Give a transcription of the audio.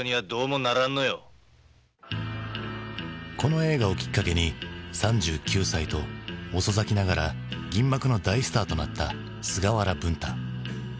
この映画をきっかけに３９歳と遅咲きながら銀幕の大スターとなった菅原文太。